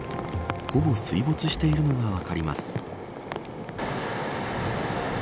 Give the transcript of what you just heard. ほぼ水没しているのが分かります。